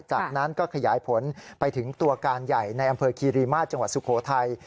จากนั้นก็ขยายผลไปถึงตัวการใหญ่ในอำเภอคีรีมาศจังหวัดสุโขทัย